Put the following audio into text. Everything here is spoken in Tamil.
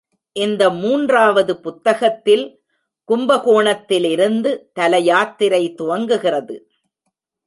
இந்த மூன்றாவது புத்தகத்தில் கும்பகோணத்திலிருந்து தல யாத்திரை துவங்குகிறது.